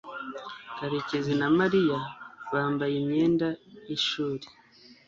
karekezi na mariya bambaye imyenda y'ishuri